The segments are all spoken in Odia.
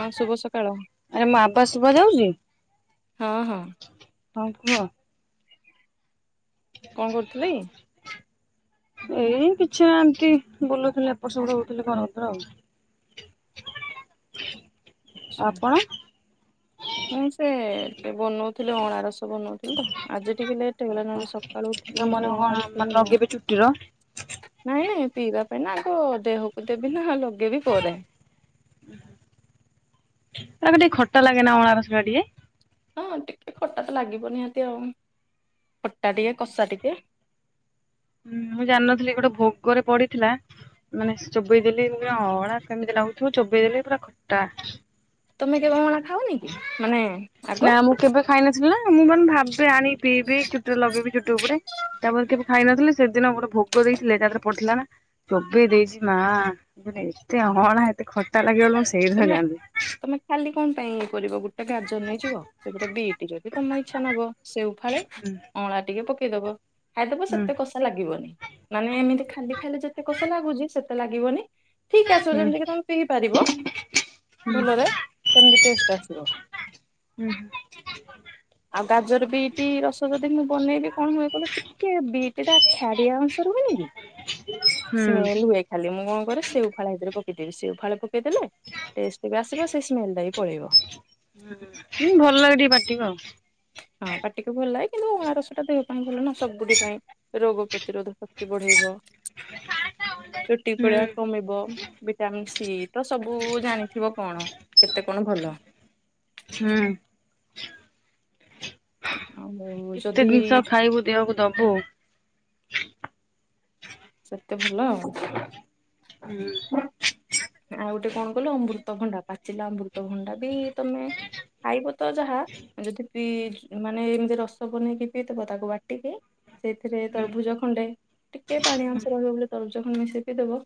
ହଁ ଶୁଭ ସକାଳ ଆ ଏ ମୋ ଆବାଜ ଶୁଭା ଯାଉଚି? ହଁ ହଁ ହଁ କୁହ। କଁ କରୁଥିଲେଇ? ଏଇ କିଛି ନା ଏମିତି ବୁଲୁ ଥିଲି ଏପଟ ସେପଟ ହଉଥିଲି ଘର ଭିତରେ ଆଉ। କି? ଆପଣ? ମୁଁ ସେ ବନଉଥିଲି ଅଁଳା ରସ ବନଉଥିଲି ତ ଆଜି ଟିକେ ଲେଟ୍ ଟ୍ ହେଇଗଲା ନହେଲେ ସକାଳୁ ମାନେ ଉଠିକି ମୁଁ କଣ ସେ ଅଁଳା ରସ ମାନେ କୁ [unintelligible] ଲଗେଇବେ ଚୁଟିର ନାଇଁ ନାଇଁ ପିଇବା ପାଇଁ ନା ଆଗ ଦେହକୁ ଦେବି ନା ଲଗେଇବି ପରେ। ହେରା କ ଟିକେ ଖଟା ଲାଗେ ନା ଅଁଳା ରସଟା ଟିକେ। ହଁ ଟିକେ ଖଟା ତ ଲାଗିବ ନିହାତି ଆଉ ଖଟା ଟିକେ କଷା ଟିକେ। ହୁଁ ମୁଁ ଜାଣିନଥିଲି ଗୋଟେ ଭୋଗରେ ପଡିଥିଲା ମାନେ ଚୋବେଇ ଦେଲି ପୁରା ଅଁଳା କେମିତି ଲାଗୁଥିବ ଚୋବେଇ ଦେଲି ପୁରା ଖଟା। ତମେ କେବେ ଅଁଳା ଖାଅନି କି ମାନେ ଆଗ ନା ମୁଁ କେବେ ଖାଇନଥିଲି ନା ମୁଁ ମାନେ ଭାବେ ଆଣି ପିଇବି ଚୁଟିରେ ଲଗେଇବି ଚୁଟି ଉପୁଡେ। ତାପରେ କେବେ ଖାଇନଥିଲି ସେଦିନ ଗୋଟେ ଭୋଗ ଦେଇଥିଲେ ତା ଦେରେ ପଡିଥିଲା ନା। ଚୋବେଇ ଦେଇଚି ମା ମୁଁ କନି ଏତେ ଅଁଳା ଏତେ ଖଟା ଲାଗିବ ବୋଲି ମୁଁ ସେଇଦିନ ତମେ ଜାଣିଲି। ତମେ ଖାଲି କଣ ପାଇଁ କରିବ ଗୋଟେ ଗାଜର ନେଇଯିବ ସେ ତିରେ ବିଟି ରେ ବି ତମ ଇଚ୍ଛା ନବ ସେଓ ଫାଳେ। ହୁଁ। ଅଁଳା ଟିକେ ପକେଇଦବ ଖାଇଦବ ସେତେ କସ୍ ସା ଲାଗିବନି ମାନେ ଏମିତି ଖାଲି ଖାଇଲେ ଯେତେ କଷା ଲାଗୁଚି ସେତେ ଲାଗିବନି। ଠିକ୍ ଆସିବ ହୁଁ ଯେମିତିକି ତମେ ପିଇ ପାରିବ। ହୁଁ। ଭଲରେ ସେମତି ଟେଷ୍ଟ ଆସିବ। ଆଉ ଗାଜର ବିଟ ରସ ଯଦି ମୁଁ ବନେଇବି କଣ ହୁଏ କହିଲ ଟିକେ ବିଟଟା ଖାରିଆ ଅଂଶ ରୁହେନି କି। ହୁଁ ସ୍ମେଲ ହୁଏ ଖାଲି, ମୁଁ କଁ କରେ ସେଉ ଫାଳେ ହେଥିରେ ପକେଇଦେବି ସେଉ ଫାଳେ ପକେଇଦେଲେ ଟେଷ୍ଟ ବି ଆସିବ, ସେ ସ୍ମେଲ ଟା ବି ପଳେଇବ। ହୁଁ ଭଲ ଲାଗେ ଟିକେ ପାଟିକୁ ଆଉ। ହଁ ପାଟିକୁ ଭଲ ଲାଗେ କିନ୍ତୁ ଅଁଳା ରସ ଟା ଦେହ ପାଇଁ ଭଲ ନା ସବୁଠି ପାଇଁ ରୋଗ ପ୍ରତିରୋଧକ। ଚୁଟି ବଢେଇବ ଚୁଟି ହୁଁ ଉପୁଡିବା କମିବ ଭିଟାମିନ ସି। ତ ସବୁ ଜାଣିଥିବ କଣ କେତେ କଣ ଭଲ। ହୁଁ। ଆଉ କେତେ ଯଦି ଜିନିଷ ଖାଇବୁ ଦେହକୁ ଦବୁ। ସେତେ ଭଲ ଆଉ। ହୁଁ। ଆଉ ଗୋଟେ କଣ କହିଲ ଅମୃତଭଣ୍ଡା ପାଚିଲା ଅମୃତଭଣ୍ଡା ବି ତମେ। ଖାଇବ ତ ଯାହା ଯଦି ପି ମାନେ ଏମିତି ରସ ବନେଇକି ପିଇଥିବ ତାକୁ ବାଟିକି। ସେଇଥିରେ ହୁଁ। ତରଭୁଜ ଖଣ୍ଡେ ଟିକେ ପାଣି ଅଂଶ ରହିବ ବୋଲି ତରଭୁଜ ଖଣ୍ଡେ ମିଶେଇକି ପିଇ ଦେବ।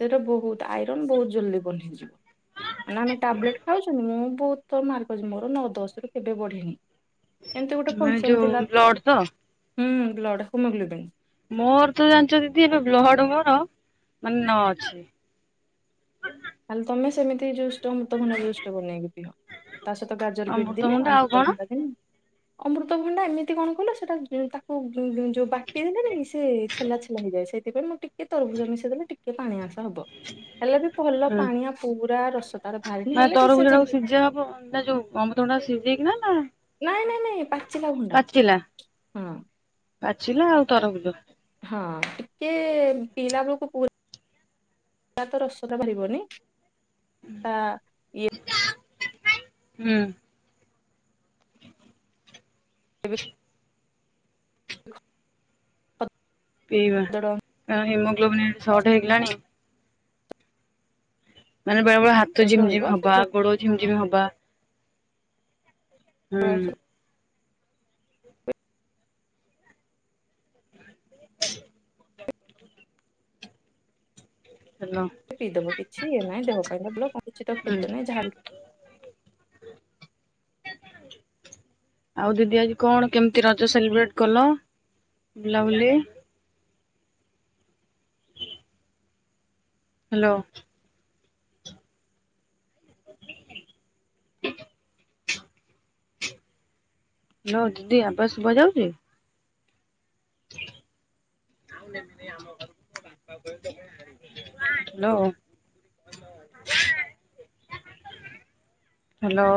ସେଇଟା ବହୁତ ଆଇ ବହୁତ ଯଦି ବନେଇଛି। ନା ଆମେ ଟାବଲେଟ ଖାଉଛନ୍ତି ମୁଁ ବହୁତ ମାର୍କ ଅଛି। ମୋର ନଅ ଦଶରୁ କେବେ ବଢେନି। ଏମିତି ଗୋଟେ ମାନେ ଫଙ୍କସନ ଯୋଉ ଥିଲା ତ ବ୍ଲଡ ହୁଁ ବ୍ଲଡ଼ ହିମୋଗ୍ଲୋବିନ। ମୋର ତ ଜାଣିଛ ଦିଦି ଏବେ ବ୍ଲଡ ମୋର ମାନେ ନଅ ଅଛି। ତାଲେ ତମେ ସେମିତି ଜୁସ ଅମୃତଭଣ୍ଡା ଜୁସଟା ବନେଇକି ପିଅ। ତା ସହିତ ଗାଜର ବିଟ ଦିନେ ଆଉ ଅମୃତଭଣ୍ଡା କଣ? ଅମୃତଭଣ୍ଡା ଦିନେ। ଅମୃତଭଣ୍ଡା ଏମିତି କଣ କହିଲ ସେଟା ତାକୁ ଯୋଉ ବାଟି ହେଲାନି କି ସେ ଛେଲା ଛେଲା ହେବ ସେଇଥିପାଇଁ ମୁଁ ଟିକେ ତରଭୁଜ ମିଶେଇ ଦେଲେ ଟିକେ ପାଣି ଅଂଶ ହବ। ହେଲେ ବି ଭଲ ହୁଁ। ପାଣିଆ ପୁରା ରସ ତାର ବାହାରିିନି। ନା ହେଲେ ବି ତରଭୁଜ ସେ ଟାକୁ ଯେମିତି ସିଝା ହବ ଅଣ୍ଡା ଯୋଉ ଅମୂତଭଣ୍ଡା ସିଝେଇକି ନା ନାଇଁ ନାଇଁ ନାଇଁ ପାଚିକା ଭଣ୍ଡା। ପାଚିଲା ହଁ ପାଚିଲା ଆଉ ତରଭୁଜ। ହଁ। ଟିକେ ପିଲା ବେଳକୁ ପୁରା ତା ତ ରସଟା ବାହାରିବ ନାଇ ତା ହୁଁ। ଏବେ ପିଇବା ଖଦଡ କାରଣ ହିମୋଗ୍ଲୋବିନ୍ ସଟ ହେଇଗଲାଣି। ମାନେ ବେଳେବେଳେ ହାତ ଅଂଶ ବି ଝିମ୍ ଝିମ୍ ରହିବ ସେ ହବା ଖଦଡ ଗୋଡ ଝିମ୍ ଝମି ହବା। ହୁଁ [unintelligible] ହାଲୋ। ପିଇଦବ କିଛି ଏ ନାଇଁ ଦେହ ପାଇଁ ଭଲ କଣ କିଛି ତ ହୁଁ କ୍ଷତି ନାହିଁ। ଯାହା ବି ଆଉ ଦିଦି ଆଜି କଣ କେମିତି ରଜ ସେଲିବ୍ରେଟ କଲ ବୁଲାବୁଲି? ହ୍ୟାଲୋ। ହଁ ଦିଦି ଆବାଜ ଶୁଭାଯାଉଛି? ଆ [inaudible] ହେଲୋ। ଆ [inaudible] ହ୍ୟାଲୋ।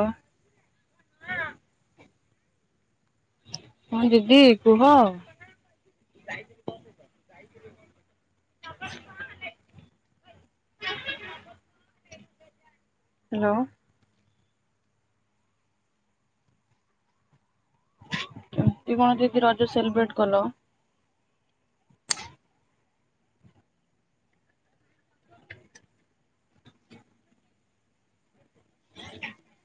ହଁ ଦିଦି କୁହ? ହ୍ୟାଲୋ। ଦିଦି ରଜ ସେଲିବ୍ରେଟ କଲ? [inaudible]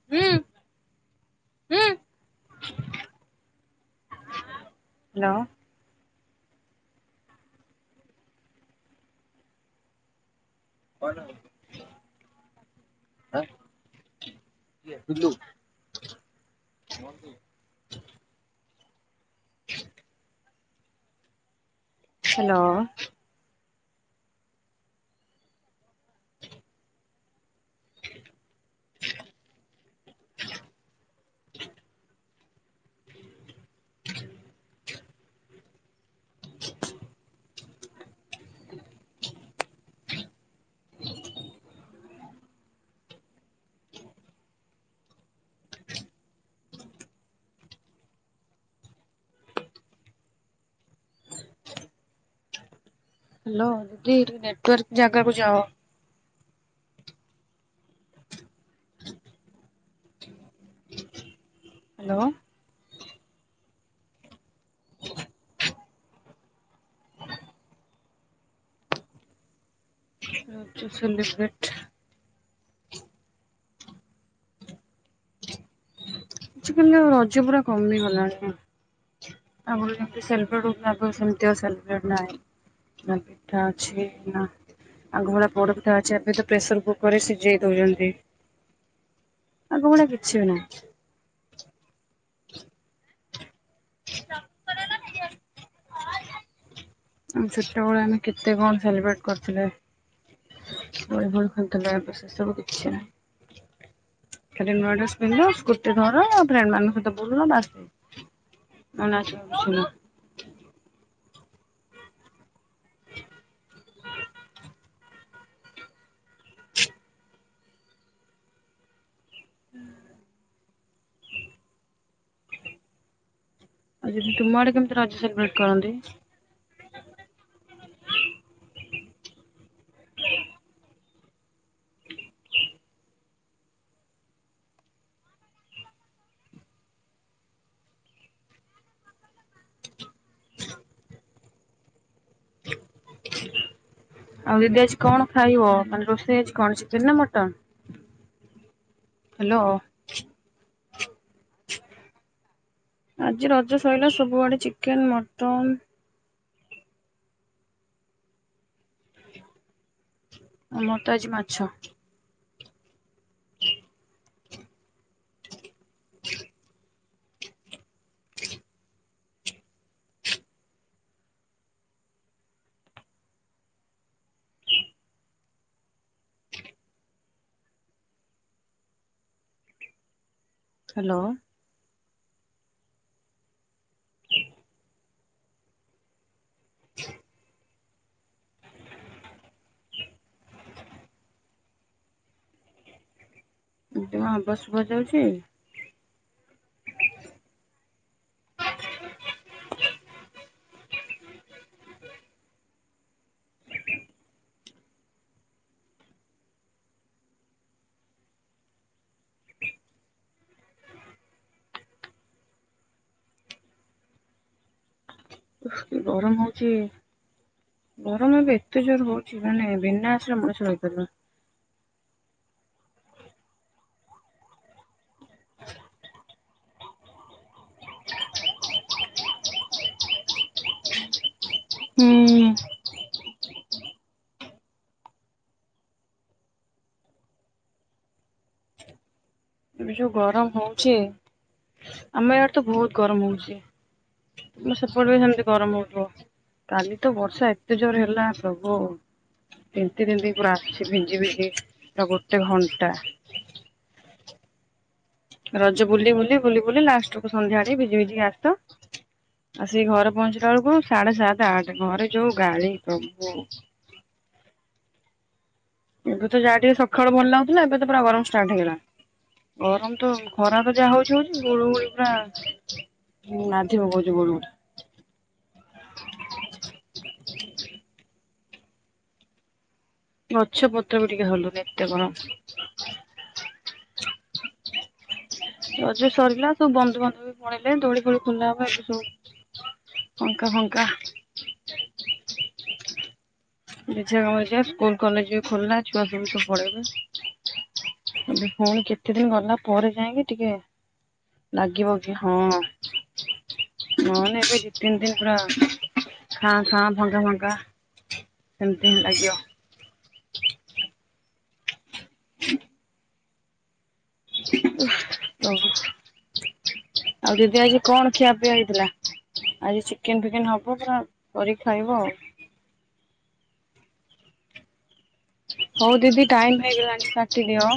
ଆ ହୁଁ [inaudible] ହାଲୋ। [unintelligible] କହନ୍ତୁ। [inaudible] ହାଲୋ। [inaudible] [unintelligible] [inaudible] ହାଲୋ ଦିଦି ଟିକେ ନେଟୱାର୍କ ଜାଗାକୁ ଯାଅ। ହାଲୋ। ରଜ ସେଲିବ୍ରେଟ୍। ଆଜି କାଲି ଆଉ ରଜ ପୁରା କମିଗଲାଣି। ଆଗରୁ ଯେମିତି ସେଲିବ୍ରେଟ୍ ହଉଥିଲା ଏବେ ଆଉ ସେମିତି ଆଉ ସେଲିବ୍ରେଟ୍ ନାଇଁ। ନା ପିଠା ଅଛି ନା। ଆଗ ଭଳିଆ ପୋଡ଼ପିଠା ଅଛି ଏବେ ତ ପ୍ରେସର କୁକର ରେ ସିଝେଇ ଦଉଛନ୍ତି। ଆଗ ଭଳିଆ କିଛି ବି ନାହିଁ। [unintelligible] ଆମ ଛୋଟବେଳେ ଆମେ କେତେ କଣ ସେଲିବ୍ରେଟ କରୁଥିଲେ। ଦୋଳି ଫୋଳି ଖେଳୁଥିଲେ ଏବେ ସେ ସବୁ କିଛି ନାହିଁ। ଖାଲି ନୂଆ ଡ୍ରେସ୍ ପିନ୍ଧ ସ୍କୁଟି ଧର ଫ୍ରେଣ୍ଡ ମାନଙ୍କ ସହିତ ବୁଲ ବାସ୍ ସେଇ। [unintelligible] ହୁଁ। ଆଉ ଦିଦି ତୁମ ଆଡେ କେମିତି ରଜ ସେଲିବ୍ରେଟ୍ କରନ୍ତି। ଆଉ ଦିଦି ଆଜି କଣ ଖାଇବ ମାନେ ରୋଷେଇ ଆଜି କଣ ଚିକେନ୍ ନା ମଟନ୍। ହାଲୋ। ଆଜି ରଜ ସ ଇଲା ସବୁଆଡେ ଚିକେନ୍ ମଟନ। ଆମର ତ ଆଜି ମାଛ। [inaudible] [inaudible] ହାଲୋ। [inaudible] [inaudible] ଦିଦି ମୋ ଆବାଜ ଶୁଭା ଯାଉଛି। [unintelligible] [unintelligible] ଓଃ କି ଗରମ ହଉଛି। ଗରମ ଏବେ ଏତେ ଜୋର୍ ହଉଛି ମାନେ ବିନା ଏସିରେ ମଣିଷ ରହି ପାରିବନି। [inaudible] ହୁଁ। ହୁଁ। ଏବେ ଯୋଉ ଗରମ ହଉଛି ଆମ ୟାଡେ ତ ବହୁତ ଗରମ ହଉଛି। ତମ ସେପଟେ ରେ ସେମିତି ଗରମ ହଉଥିବ। କାଲି ତ ବର୍ଷା ଏତେ ଜୋର ହେଲା ପ୍ରଭୁ। ତିନ୍ତି ତିନ୍ତି ପୁରା ଆସିଛି ଭିଜି ଭିଜି ପୁରା ଗୋଟେ ଘଣ୍ଟା। ରଜ ବୁଲି ବୁଲି ବୁଲି ବୁଲି ଲାଷ୍ଟକୁୁ ସନ୍ଧ୍ୟା ରେ ଭିଜି ଭିଜି କି ଆସ। ଆସିକି ଘରେ ପହଞ୍ଚିଲା ବେଳକୁ ସାଢେ ସାତ ଆଠ ଘରେ ଯୋଉ ଗାଳି ପ୍ରଭୁ। ଏବେ ତ ଯାହା ଟିକେ ସକାଳୁ ଭଲ ଲାଗୁଥିଲା ଏବେ ତ ପୁରା ଗରମ ଷ୍ଟାର୍ଟ ହେଇଗଲାଣି। ଗରମ ତ ଖରା ତ ଯାହା ହଉଚି ହଉଚି ଗୁଳୁୁ ଗୁଳି ପୁରା ନାଧି ପକଉଚି। [unintelligible] ଗଛ ପତ୍ର ବି ଟିକେ ହଲୁନି ଏତେ ଗରମ। ରଜ ସରିଲା ସବୁ ବନ୍ଧୁବାନ୍ଧବ ବି ପଳେଇଲେ ଦୋଳି ଫୋଳି ଖୋଲା ହବ ଏବେ ସବୁ ପଙ୍କା ଫଙ୍କା। ଯେଝା କାମ ଯେଝା ସ୍କୁଲ କଲେଜ ବି ଖୋଲା ଛୁଆ ସବୁ ତ ପଳେଇବେ। ଏବେ ପୁଣି କେତେ ଦିନ ଗଲା ପରେ ଯାଇଁକି ଟିକେ ଲାଗିବ କି ହଁ ନହନେ ଏବେ ଦି ତିନି ଦିନ ପୁରା ଖାଁ ଖାଁ ଭଙ୍ଗା ବଙ୍କା ସେମିତି ହିଁ ଲାଗିବ। [inaudible] ଓହୋ ପ୍ରଭୁ। ଆଉ ଦିଦି ଆଜି କଣ ଖିଆ ପିଆ ହେଇଥିଲା? ଆଜି ଚିକେନ୍ ଫିକେନ୍ ହବ ପୁରା କରିକି ଖାଇବ ଆଉ। ହଉ ଦିଦି ଟାଇମ୍ ହେଇଗଲାଣି କାଟି ଦିଅ।